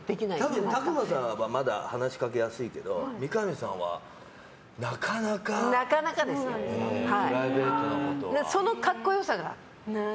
多分、宅麻さんはまだ話しかけやすいけど三上さんはなかなかプライベートなことは。